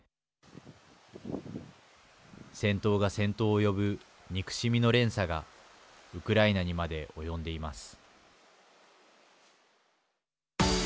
戦闘が戦闘を呼ぶ憎しみの連鎖がウクライナにまで及んでいます。